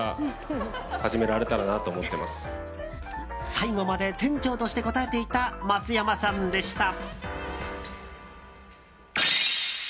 最後まで店長として答えていた松山さんでした。